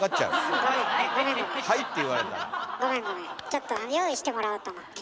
ちょっと用意してもらおうと思って。